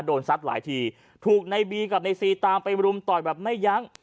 ซัดหลายทีถูกในบีกับในซีตามไปรุมต่อยแบบไม่ยั้ง